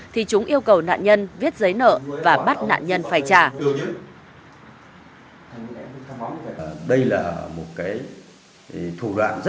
thì chúng yêu cầu nạn nhân viết giấy nợ và bắt nạn nhân phải trả